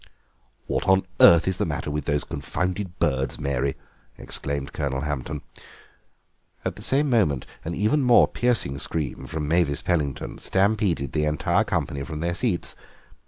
"What on earth is the matter with those confounded birds, Mary?" exclaimed Colonel Hampton; at the same moment an even more piercing scream from Mavis Pellington stampeded the entire company from their seats.